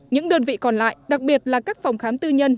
những đơn vị còn lại đặc biệt là các phòng khám tư nhân